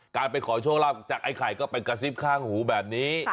ไปขอโชคลาภจากไอ้ไข่ก็ไปกระซิบข้างหูแบบนี้